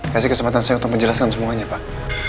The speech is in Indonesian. kasih kesempatan saya untuk menjelaskan semuanya pak